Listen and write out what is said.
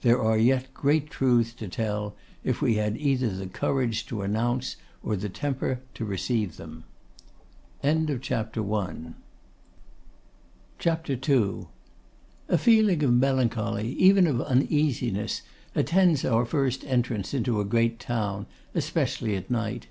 There are yet great truths to tell, if we had either the courage to announce or the temper to receive them. CHAPTER II. A feeling of melancholy, even of uneasiness, attends our first entrance into a great town, especially at night.